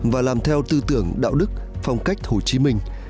và làm theo tư tưởng đạo đức phong cách hồ chí minh